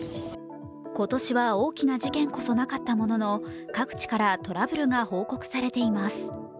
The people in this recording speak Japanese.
今年は大きな事件こそなかったものの各地からトラブルが報告されています。